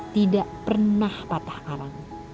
tidak pernah patah karang